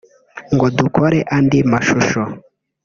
ngo dukore andi mashusho